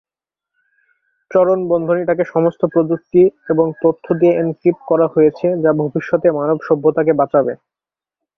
চরণ-বন্ধনীটাকে সমস্ত প্রযুক্তি এবং তথ্য দিয়ে এনক্রিপ্ট করা হয়েছে যা ভবিষ্যতে মানবসভ্যতাকে বাঁচাবে।